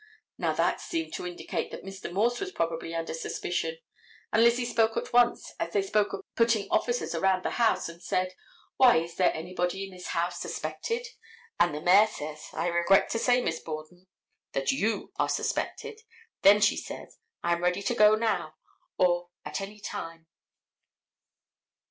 Now, that seemed to indicate that Mr. Morse was probably under suspicion, and Lizzie spoke at once as they spoke of putting officers around the house and said, "Why, is there anybody in this house suspected?" and the mayor says, "I regret to say, Miss Borden, that you are suspected." Then she says, "I am ready to go now, or at any time."